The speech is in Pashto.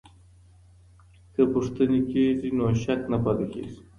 که پوښتني کېږي نو شک نه پاته کېږي.